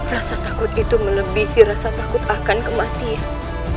rasa takut itu melebihi rasa takut akan kematian